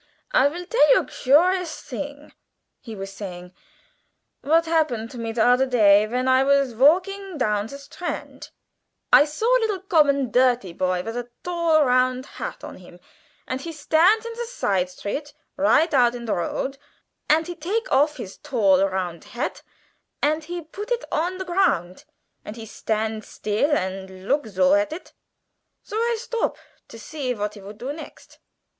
"I vill tell you a gurious thing," he was saying, "vat happened to me de oder day ven I vas valking down de Strandt. I saw a leedle gommon dirty boy with a tall round hat on him, and he stand in a side street right out in de road, and he take off his tall round hat, and he put it on de ground, and he stand still and look zo at it. So I shtop too, to see vat he vould do next.